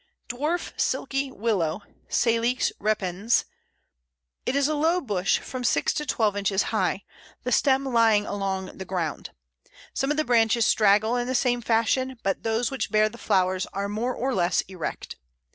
Dwarf Silky Willow (Salix repens). It is a low bush from six to twelve inches high, the stem lying along the ground. Some of the branches straggle in the same fashion, but those which bear the flowers are more or less erect.